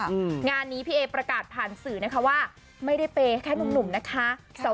งานนี้พี่เอประกาศผ่านสื่อนะคะว่าไม่ได้เปย์แค่หนุ่มหนุ่มนะคะ